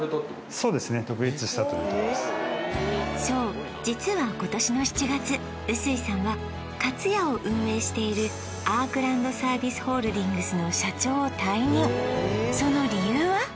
そう実は今年の７月臼井さんはかつやを運営しているアークランドサービスホールディングスのその理由は？